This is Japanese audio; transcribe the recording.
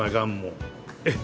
えっ！